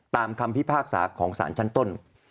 คำพิพากษาของสารชั้นต้น